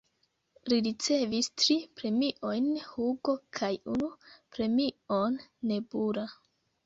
Li ricevis tri premiojn Hugo kaj unu premion Nebula.